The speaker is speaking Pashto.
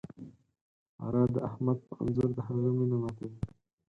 سارا د احمد په انځور د هغه مینه ماتوي.